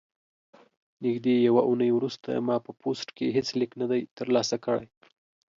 نږدې یوه اونۍ وروسته ما په پوسټ کې هیڅ لیک نه دی ترلاسه کړی.